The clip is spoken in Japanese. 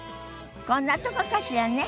こんなとこかしらね。